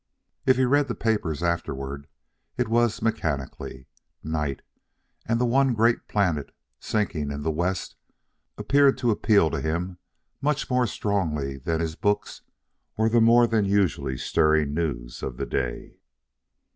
If he read the papers afterward it was mechanically. Night, and the one great planet sinking in the West, appeared to appeal to him much more strongly than his books or the more than usually stirring news of the day.